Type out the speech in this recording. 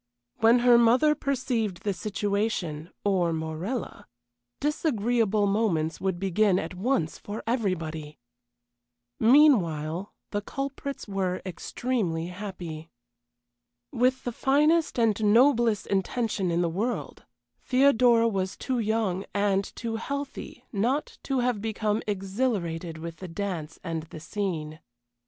When her mother perceived the situation or Morella disagreeable moments would begin at once for everybody! Meanwhile, the culprits were extremely happy. With the finest and noblest intention in the world, Theodora was too young, and too healthy, not to have become exhilarated with the dance and the scene.